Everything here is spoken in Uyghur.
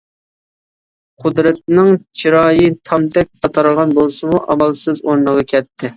قۇدرەتنىڭ چىرايى تامدەك تاتارغان بولسىمۇ، ئامالسىز ئورنىغا كەتتى.